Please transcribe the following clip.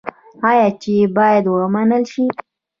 آیا چې باید ومنل شي؟